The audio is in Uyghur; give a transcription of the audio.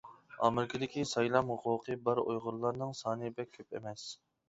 ئامېرىكىدىكى سايلام ھوقۇقى بار ئۇيغۇرلارنىڭ سانى بەك كۆپ ئەمەس.